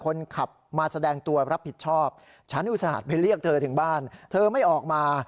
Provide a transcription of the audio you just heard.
คนขับมาแสดงตัวรับผิดชอบฉันอุตส่าห์ไปเรียกเธอถึงบ้านเธอไม่ออกมา